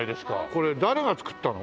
これ誰が作ったの？